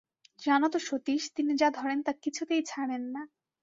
জান তো সতীশ, তিনি যা ধরেন তা কিছুতেই ছাড়েন না।